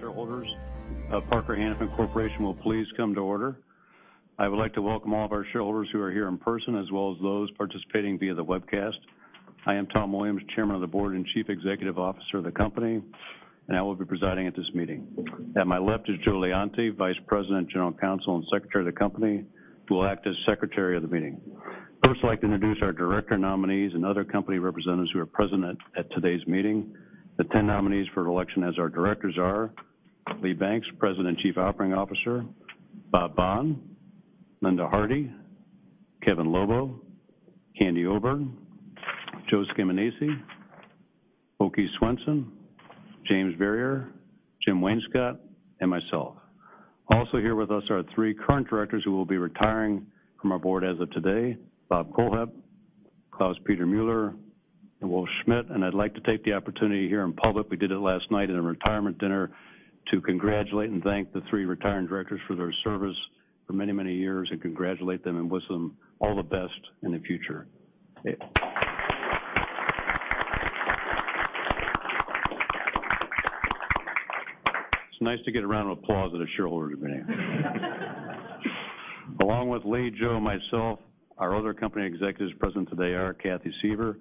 Annual meeting of the shareholders of Parker-Hannifin Corporation will please come to order. I would like to welcome all of our shareholders who are here in person as well as those participating via the webcast. I am Tom Williams, Chairman of the Board and Chief Executive Officer of the company, and I will be presiding at this meeting. At my left is Joe Leonti, Vice President, General Counsel, and Secretary of the company, who will act as secretary of the meeting. First, I'd like to introduce our director nominees and other company representatives who are present at today's meeting. The 10 nominees for election as our directors are Lee Banks, President and Chief Operating Officer, Bob Bohn, Linda Hardy, Kevin Lobo, Candy Oburn, Joe Scaminaci, Åke Svensson, James Verrier, Jim Wainscott, and myself. Here with us are three current directors who will be retiring from our board as of today, Bob Kohlhepp, Klaus-Peter Müller, and Wolf Schmidt. I'd like to take the opportunity here in public, we did it last night at a retirement dinner, to congratulate and thank the three retiring directors for their service for many years, and congratulate them and wish them all the best in the future. It's nice to get a round of applause at a shareholders' meeting. Along with Lee, Joe, and myself, our other company executives present today are Kathy Seaver,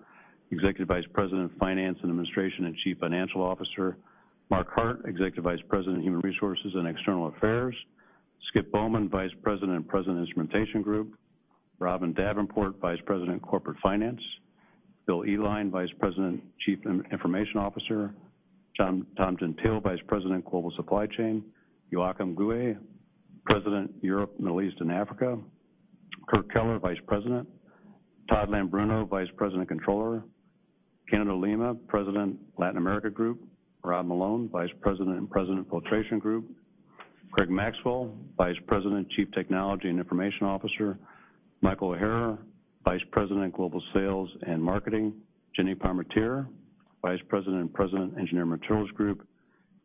Executive Vice President of Finance and Administration and Chief Financial Officer, Mark Hart, Executive Vice President of Human Resources and External Affairs, Skip Bowman, Vice President and President of Instrumentation Group, Robin Davenport, Vice President of Corporate Finance, Bill Eline, Vice President and Chief Information Officer, John Thompson-Tiller, Vice President of Global Supply Chain, Joachim Guhe, President, Europe, Middle East, and Africa, Kurt Keller, Vice President, Todd Leombruno, Vice President and Controller, Candido Lima, President, Latin America Group, Rob Malone, Vice President and President of Filtration Group, Craig Maxwell, Vice President and Chief Technology and Information Officer, Michael O'Hara, Vice President, Global Sales and Marketing, Jennie Parmenter, Vice President and President, Engineered Materials Group,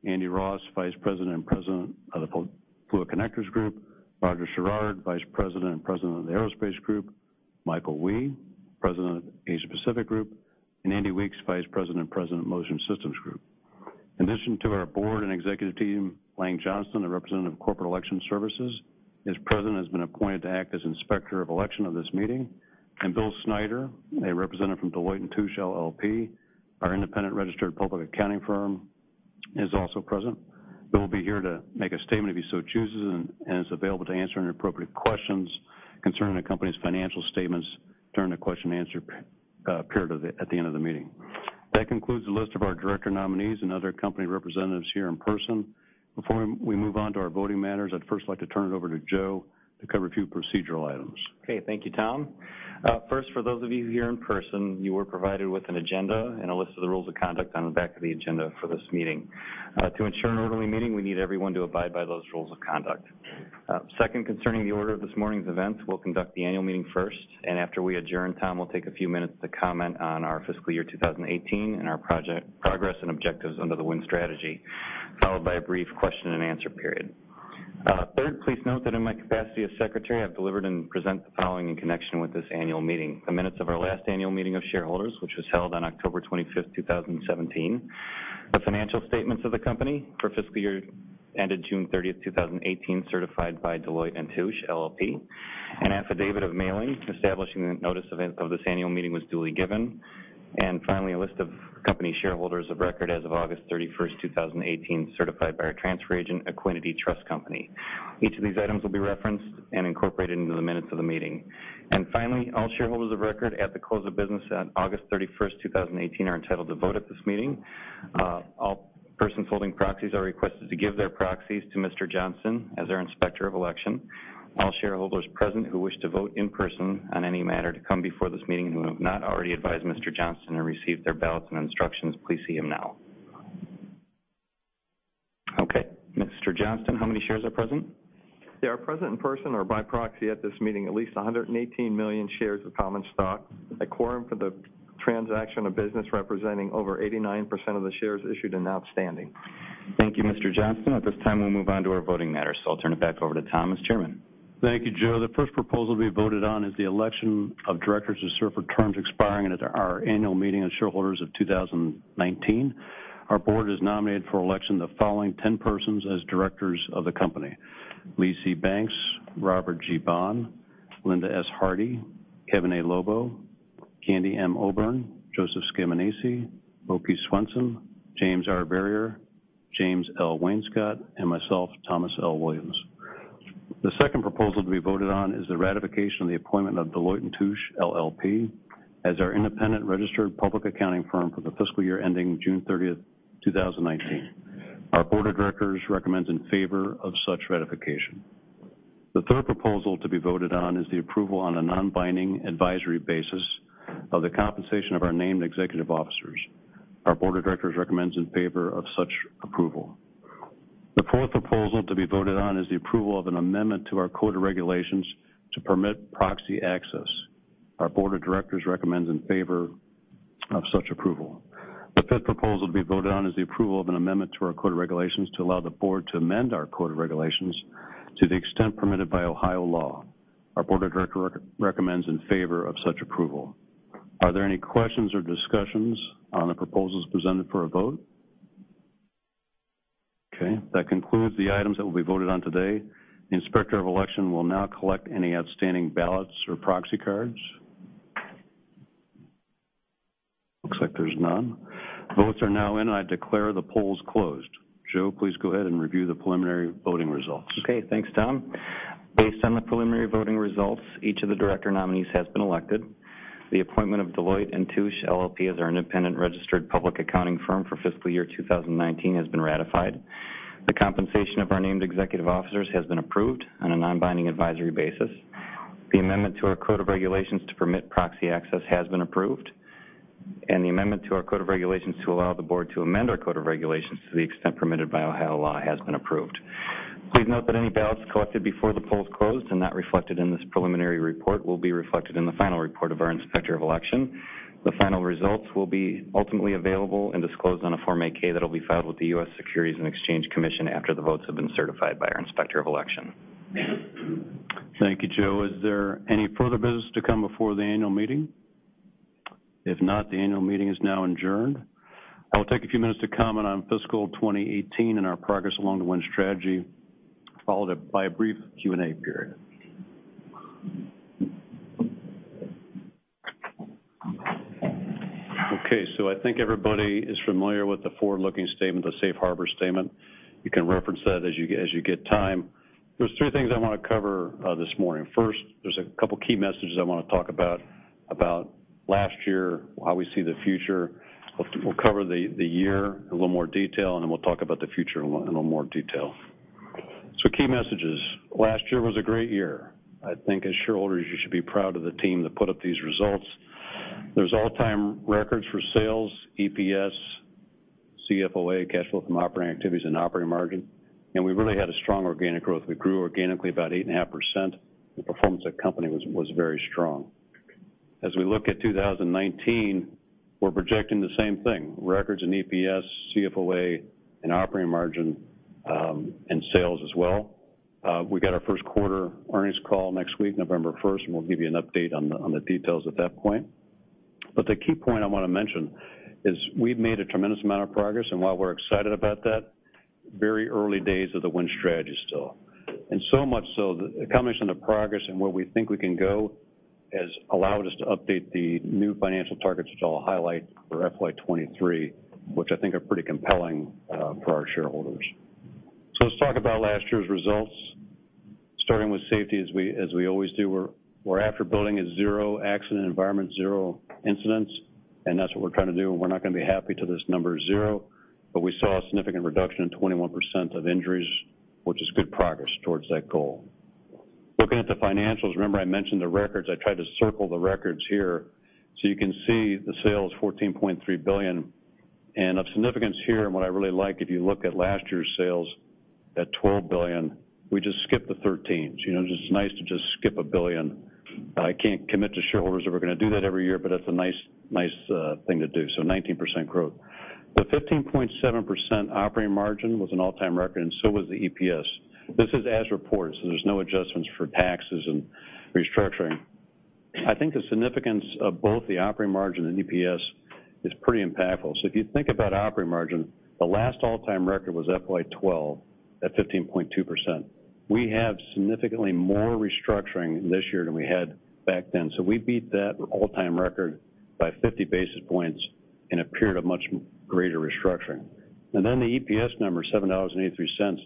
Andy Ross, Vice President and President of the Fluid Connectors Group, Roger Sherrard, Vice President and President of the Aerospace Group, Michael Wei, President of Asia Pacific Group, Andy Weeks, Vice President and President of Motion Systems Group. In addition to our board and executive team, Lang Johnston, a representative of Corporate Election Services, is present and has been appointed to act as Inspector of Election of this meeting. Bill Snyder, a representative from Deloitte & Touche LLP, our independent registered public accounting firm, is also present. Bill will be here to make a statement if he so chooses and is available to answer any appropriate questions concerning the company's financial statements during the question and answer period at the end of the meeting. That concludes the list of our director nominees and other company representatives here in person. Before we move on to our voting matters, I'd first like to turn it over to Joe to cover a few procedural items. Okay. Thank you, Tom. First, for those of you here in person, you were provided with an agenda and a list of the rules of conduct on the back of the agenda for this meeting. To ensure an orderly meeting, we need everyone to abide by those rules of conduct. Second, concerning the order of this morning's events, we'll conduct the annual meeting first, and after we adjourn, Tom will take a few minutes to comment on our fiscal year 2018 and our progress and objectives under the Win Strategy, followed by a brief question and answer period. Third, please note that in my capacity as secretary, I've delivered and present the following in connection with this annual meeting, the minutes of our last annual meeting of shareholders, which was held on October 25th, 2017, the financial statements of the company for fiscal year ended June 30th, 2018, certified by Deloitte & Touche LLP, an affidavit of mailing establishing the notice of this annual meeting was duly given, and finally, a list of company shareholders of record as of August 31st, 2018, certified by our transfer agent, Equiniti Trust Company. Each of these items will be referenced and incorporated into the minutes of the meeting. Finally, all shareholders of record at the close of business on August 31st, 2018, are entitled to vote at this meeting. All persons holding proxies are requested to give their proxies to Mr. Johnston as our Inspector of Election. All shareholders present who wish to vote in person on any matter to come before this meeting who have not already advised Mr. Johnston or received their ballots and instructions, please see him now. Okay. Mr. Johnston, how many shares are present? There are present in person or by proxy at this meeting at least 118 million shares of common stock, a quorum for the transaction of business representing over 89% of the shares issued and outstanding. Thank you, Mr. Johnston. At this time, we'll move on to our voting matters. I'll turn it back over to Tom as Chairman. Thank you, Joe. The first proposal to be voted on is the election of directors to serve for terms expiring at our annual meeting of shareholders of 2019. Our board has nominated for election the following 10 persons as directors of the company: Lee C. Banks, Robert G. Bohn, Linda S. Hardy, Kevin A. Lobo, Candy M. Oburn, Joseph Scaminaci, Åke Svensson, James R. Verrier, James L. Wainscott, and myself, Thomas L. Williams. The second proposal to be voted on is the ratification of the appointment of Deloitte & Touche LLP as our independent registered public accounting firm for the fiscal year ending June 30th, 2019. Our board of directors recommends in favor of such ratification. The third proposal to be voted on is the approval on a non-binding advisory basis of the compensation of our named executive officers. Our board of directors recommends in favor of such approval. The fourth proposal to be voted on is the approval of an amendment to our code of regulations to permit proxy access. Our board of directors recommends in favor of such approval. The fifth proposal to be voted on is the approval of an amendment to our code of regulations to allow the board to amend our code of regulations to the extent permitted by Ohio law. Our board of directors recommends in favor of such approval. Are there any questions or discussions on the proposals presented for a vote? That concludes the items that will be voted on today. The Inspector of Election will now collect any outstanding ballots or proxy cards. Looks like there's none. Votes are now in, and I declare the polls closed. Joe, please go ahead and review the preliminary voting results. Thanks, Tom. Based on the preliminary voting results, each of the director nominees has been elected. The appointment of Deloitte & Touche LLP as our independent registered public accounting firm for fiscal year 2019 has been ratified. The compensation of our named executive officers has been approved on a non-binding advisory basis. The amendment to our code of regulations to permit proxy access has been approved, and the amendment to our code of regulations to allow the board to amend our code of regulations to the extent permitted by Ohio law has been approved. Please note that any ballots collected before the polls closed and not reflected in this preliminary report will be reflected in the final report of our Inspector of Election. The final results will be ultimately available and disclosed on a Form 8-K that will be filed with the U.S. Securities and Exchange Commission after the votes have been certified by our Inspector of Election. Thank you, Joe. Is there any further business to come before the annual meeting? If not, the annual meeting is now adjourned. I will take a few minutes to comment on fiscal 2018 and our progress along the Win Strategy, followed by a brief Q&A period. I think everybody is familiar with the forward-looking statement, the Safe Harbor statement. You can reference that as you get time. There's three things I want to cover this morning. First, there's a couple key messages I want to talk about last year, how we see the future. We'll cover the year in a little more detail. Then we'll talk about the future in a little more detail. Key messages. Last year was a great year. I think as shareholders, you should be proud of the team that put up these results. There's all-time records for sales, EPS, CFOA, cash flow from operating activities, and operating margin. We really had a strong organic growth. We grew organically about 8.5%. The performance of the company was very strong. As we look at 2019, we're projecting the same thing, records in EPS, CFOA, and operating margin, and sales as well. We've got our first quarter earnings call next week, November 1st, and we'll give you an update on the details at that point. The key point I want to mention is we've made a tremendous amount of progress, and while we're excited about that, very early days of the Win Strategy still. So much so the combination of progress and where we think we can go has allowed us to update the new financial targets, which I'll highlight for FY 2023, which I think are pretty compelling for our shareholders. Let's talk about last year's results, starting with safety as we always do. We're after building a zero accident environment, zero incidents, and that's what we're trying to do, and we're not going to be happy till this number is zero. We saw a significant reduction in 21% of injuries, which is good progress towards that goal. Looking at the financials, remember I mentioned the records. I tried to circle the records here. You can see the sales, $14.3 billion. Of significance here and what I really like, if you look at last year's sales at $12 billion, we just skipped the 13s. It's just nice to just skip $1 billion. I can't commit to shareholders that we're going to do that every year, but that's a nice thing to do. 19% growth. The 15.7% operating margin was an all-time record. So was the EPS. This is as reported, there's no adjustments for taxes and restructuring. I think the significance of both the operating margin and EPS is pretty impactful. If you think about operating margin, the last all-time record was FY12 at 15.2%. We have significantly more restructuring this year than we had back then. We beat that all-time record by 50 basis points in a period of much greater restructuring. Then the EPS number, $7.83.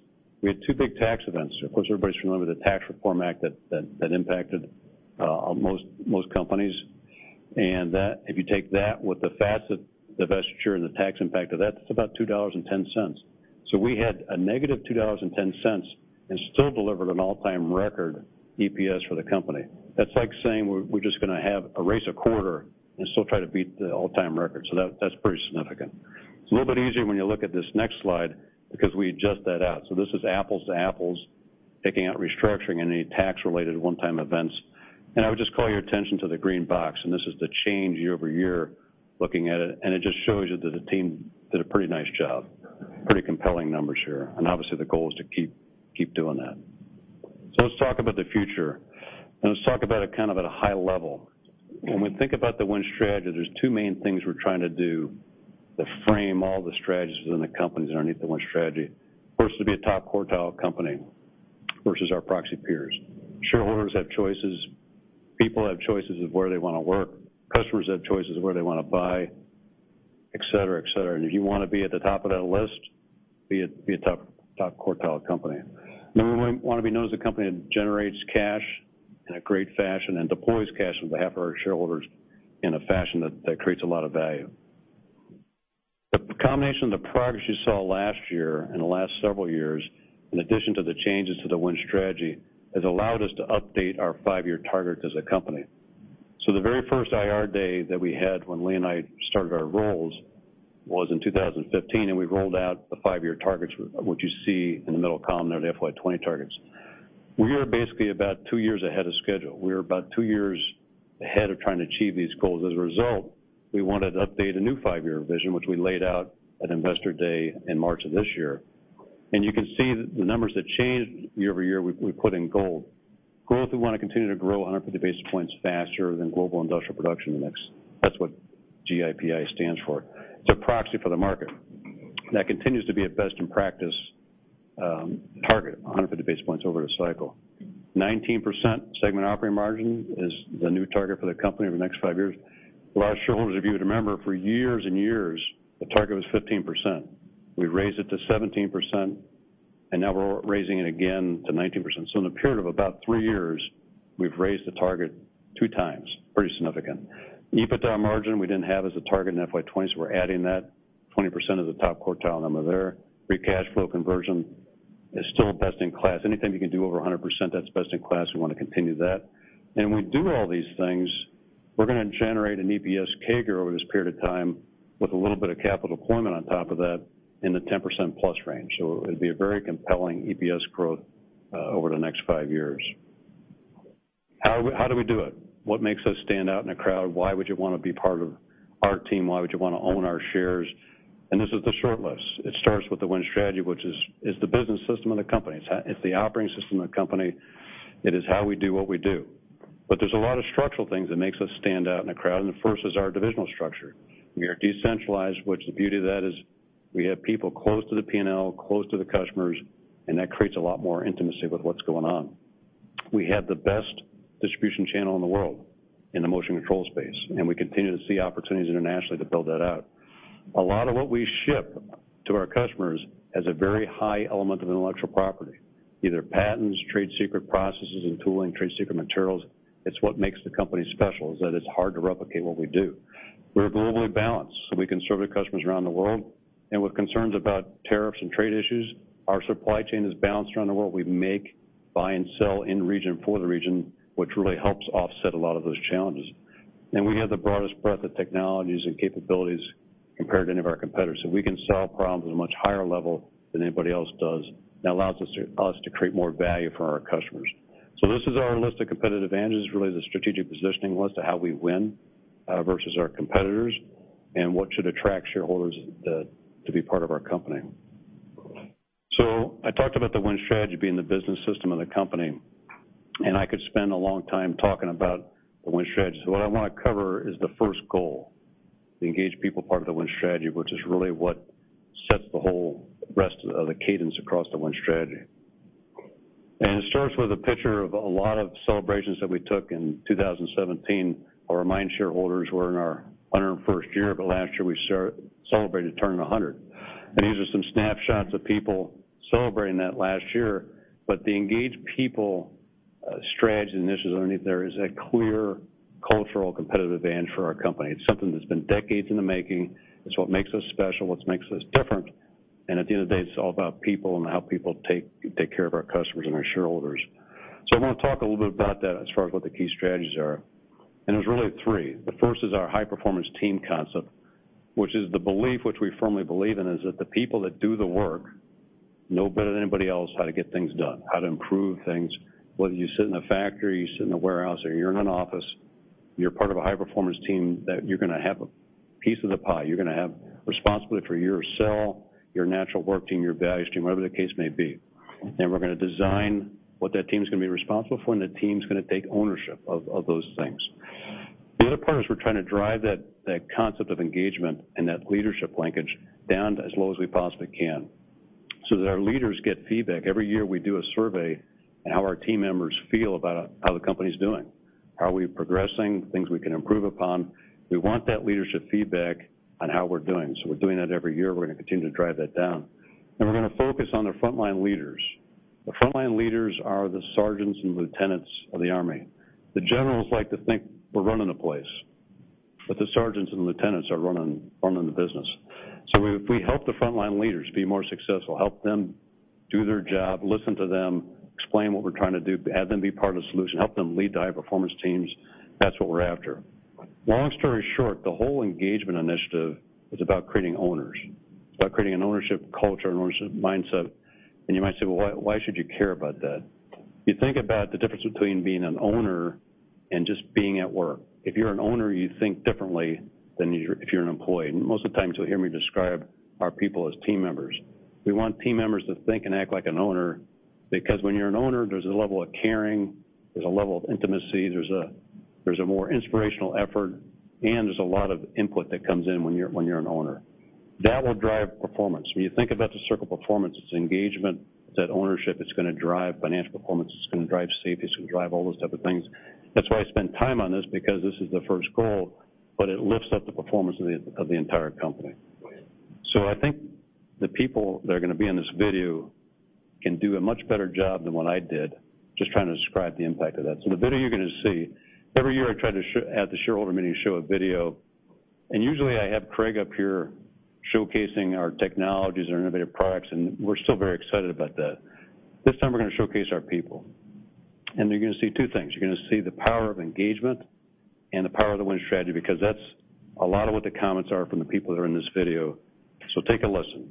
We had two big tax events. Of course, everybody should remember the Tax Reform Act that impacted most companies. If you take that with the Facet divestiture and the tax impact of that's about $2.10. We had a negative $2.10 and still delivered an all-time record EPS for the company. That's like saying we're just going to have a race a quarter and still try to beat the all-time record. That's pretty significant. It's a little bit easier when you look at this next slide because we adjust that out. This is apples to apples, taking out restructuring any tax-related one-time events. I would just call your attention to the green box, this is the change year-over-year looking at it just shows you that the team did a pretty nice job. Pretty compelling numbers here. Obviously, the goal is to keep doing that. Let's talk about the future, let's talk about it kind of at a high level. When we think about the Win Strategy, there's two main things we're trying to do that frame all the strategies within the companies underneath the Win Strategy. First, to be a top quartile company versus our proxy peers. Shareholders have choices. People have choices of where they want to work. Customers have choices of where they want to buy, et cetera. If you want to be at the top of that list, be a top quartile company. Number one, want to be known as a company that generates cash in a great fashion and deploys cash on behalf of our shareholders in a fashion that creates a lot of value. The combination of the progress you saw last year and the last several years, in addition to the changes to the Win Strategy, has allowed us to update our five-year targets as a company. The very first IR day that we had when Lee and I started our roles was in 2015, we rolled out the five-year targets, which you see in the middle column there, the FY20 targets. We are basically about two years ahead of schedule. We're about two years ahead of trying to achieve these goals. As a result, we wanted to update a new five-year vision, which we laid out at Investor Day in March of this year. You can see the numbers that changed year-over-year, we put in gold. Growth, we want to continue to grow 150 basis points faster than global industrial production. That's what GIP stands for. It's a proxy for the market. That continues to be a best in practice target, 150 basis points over the cycle. 19% segment operating margin is the new target for the company over the next 5 years. A lot of shareholders, if you would remember, for years and years, the target was 15%. We raised it to 17%, now we're raising it again to 19%. In a period of about 3 years, we've raised the target 2 times. Pretty significant. EBITDA margin, we didn't have as a target in FY 2020, we're adding that, 20% of the top quartile number there. Free cash flow conversion is still best in class. Anything we can do over 100%, that's best in class. We want to continue that. We do all these things, we're going to generate an EPS CAGR over this period of time with a little bit of capital deployment on top of that in the 10% plus range. It'd be a very compelling EPS growth over the next 5 years. How do we do it? What makes us stand out in a crowd? Why would you want to be part of our team? Why would you want to own our shares? This is the short list. It starts with the Win Strategy, which is the business system of the company. It's the operating system of the company. It is how we do what we do. There's a lot of structural things that makes us stand out in a crowd, and the first is our divisional structure. We are decentralized, which the beauty of that is we have people close to the P&L, close to the customers, and that creates a lot more intimacy with what's going on. We have the best distribution channel in the world in the motion control space, and we continue to see opportunities internationally to build that out. A lot of what we ship to our customers has a very high element of intellectual property, either patents, trade secret processes and tooling, trade secret materials. It's what makes the company special, is that it's hard to replicate what we do. We're globally balanced, so we can serve the customers around the world. With concerns about tariffs and trade issues, our supply chain is balanced around the world. We make, buy, and sell in region for the region, which really helps offset a lot of those challenges. We have the broadest breadth of technologies and capabilities compared to any of our competitors, so we can solve problems at a much higher level than anybody else does. That allows us to create more value for our customers. This is our list of competitive advantages, really the strategic positioning list of how we win versus our competitors, and what should attract shareholders to be part of our company. I talked about the Win Strategy being the business system of the company, and I could spend a long time talking about the Win Strategy. What I want to cover is the first goal, the engage people part of the Win Strategy, which is really what sets the whole rest of the cadence across the Win Strategy. It starts with a picture of a lot of celebrations that we took in 2017. I'll remind shareholders we're in our 101st year, but last year we celebrated turning 100. These are some snapshots of people celebrating that last year. The Engage People strategy, and this is underneath there, is a clear cultural competitive advantage for our company. It's something that's been decades in the making. It's what makes us special, what makes us different. At the end of the day, it's all about people and how people take care of our customers and our shareholders. I want to talk a little bit about that as far as what the key strategies are. There's really three. The first is our high performance team concept, which is the belief, which we firmly believe in, is that the people that do the work know better than anybody else how to get things done, how to improve things. Whether you sit in a factory, you sit in a warehouse, or you're in an office, you're part of a high performance team that you're going to have a piece of the pie. You're going to have responsibility for your cell, your natural work team, your value stream, whatever the case may be. We're going to design what that team's going to be responsible for, and the team's going to take ownership of those things. The other part is we're trying to drive that concept of engagement and that leadership linkage down as low as we possibly can so that our leaders get feedback. Every year we do a survey on how our team members feel about how the company's doing, how are we progressing, things we can improve upon. We want that leadership feedback on how we're doing. We're doing that every year. We're going to continue to drive that down. We're going to focus on the frontline leaders. The frontline leaders are the sergeants and lieutenants of the army. The generals like to think we're running the place, but the sergeants and lieutenants are running the business. If we help the frontline leaders be more successful, help them do their job, listen to them, explain what we're trying to do, have them be part of the solution, help them lead the high performance teams, that's what we're after. Long story short, the whole engagement initiative is about creating owners. It's about creating an ownership culture, an ownership mindset. You might say, "Well, why should you care about that?" You think about the difference between being an owner and just being at work. If you're an owner, you think differently than if you're an employee. Most of the times you'll hear me describe our people as team members. We want team members to think and act like an owner, because when you're an owner, there's a level of caring, there's a level of intimacy, there's a more inspirational effort, and there's a lot of input that comes in when you're an owner. That will drive performance. When you think about the circle of performance, it's engagement, it's that ownership. It's going to drive financial performance, it's going to drive safety, it's going to drive all those type of things. That's why I spend time on this, because this is the first goal, but it lifts up the performance of the entire company. I think the people that are going to be in this video can do a much better job than what I did just trying to describe the impact of that. The video you're going to see, every year I try to, at the shareholder meeting, show a video. Usually I have Craig up here showcasing our technologies, our innovative products, and we're still very excited about that. This time we're going to showcase our people. You're going to see two things. You're going to see the power of engagement and the power of the Win Strategy, because that's a lot of what the comments are from the people that are in this video. Take a listen.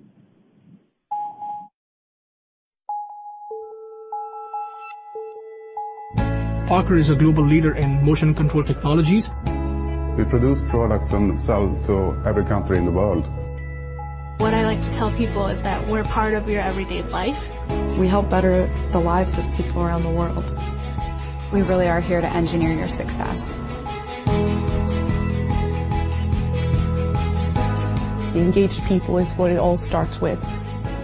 Parker is a global leader in motion and control technologies. We produce products and sell to every country in the world. What I like to tell people is that we're part of your everyday life. We help better the lives of people around the world. We really are here to engineer your success. Engaged people is what it all starts with.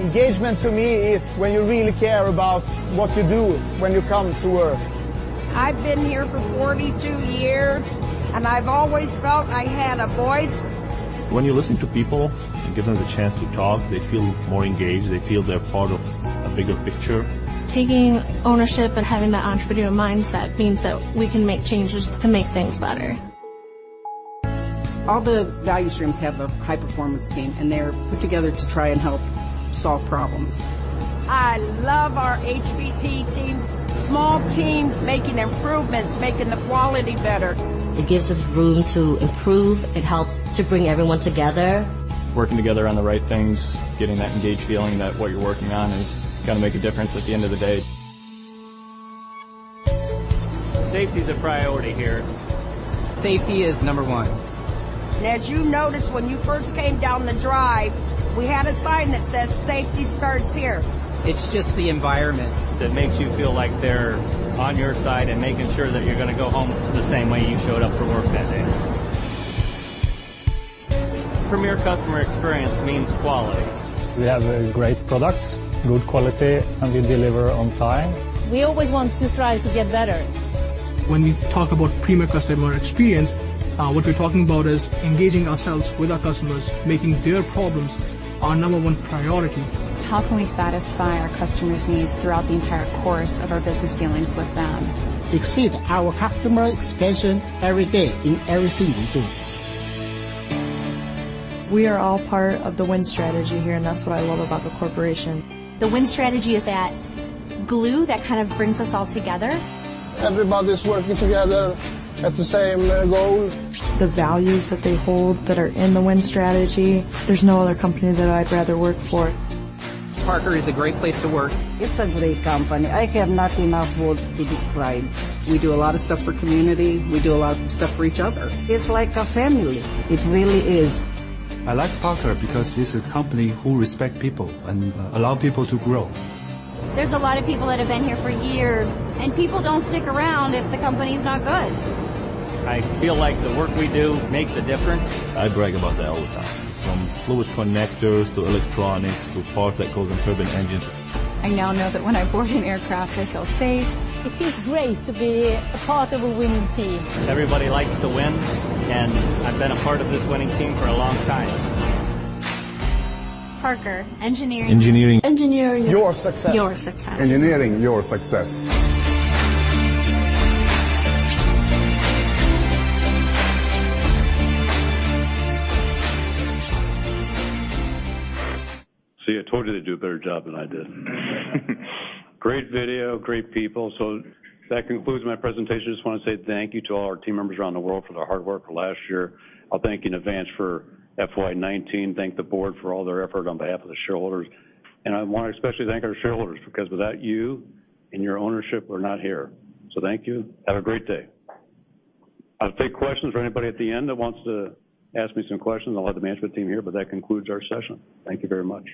Engagement, to me, is when you really care about what you do when you come to work. I've been here for 42 years, and I've always felt I had a voice. When you listen to people and give them the chance to talk, they feel more engaged. They feel they're part of a bigger picture. Taking ownership and having that entrepreneurial mindset means that we can make changes to make things better. All the value streams have a high-performance team, and they're put together to try and help solve problems. I love our HPT teams. Small teams making improvements, making the quality better. It gives us room to improve. It helps to bring everyone together. Working together on the right things, getting that engaged feeling that what you're working on is gonna make a difference at the end of the day. Safety is a priority here. Safety is number one. As you noticed when you first came down the drive, we had a sign that says, "Safety starts here. It's just the environment that makes you feel like they're on your side and making sure that you're gonna go home the same way you showed up for work that day. Premier customer experience means quality. We have very great products, good quality, and we deliver on time. We always want to strive to get better. When we talk about premier customer experience, what we're talking about is engaging ourselves with our customers, making their problems our number one priority. How can we satisfy our customers' needs throughout the entire course of our business dealings with them? Exceed our customer expectations every day in every single thing. We are all part of the Win Strategy here, and that's what I love about the corporation. The Win Strategy is that glue that kind of brings us all together. Everybody's working together at the same goal. The values that they hold that are in the Win Strategy, there's no other company that I'd rather work for. Parker is a great place to work. It's a great company. I have not enough words to describe. We do a lot of stuff for community. We do a lot of stuff for each other. It's like a family. It really is. I like Parker because it's a company who respect people and allow people to grow. There's a lot of people that have been here for years, people don't stick around if the company's not good. I feel like the work we do makes a difference. I brag about that all the time. From fluid connectors to electronics to parts that goes in turbine engines. I now know that when I board an aircraft, I feel safe. It feels great to be a part of a winning team. Everybody likes to win, and I've been a part of this winning team for a long time. Parker. Engineering- Engineering- Your success Engineering your success. See, I told you they'd do a better job than I did. Great video, great people. That concludes my presentation. Just want to say thank you to all our team members around the world for their hard work for last year. I'll thank you in advance for FY 2019, thank the board for all their effort on behalf of the shareholders. I want to especially thank our shareholders, because without you and your ownership, we're not here. Thank you. Have a great day. I'll take questions from anybody at the end that wants to ask me some questions. I'll have the management team here, but that concludes our session. Thank you very much.